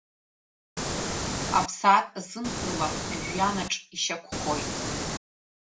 Аԥсаатә зымԥыруа, Жәҩанаҿ ишьақәхоит.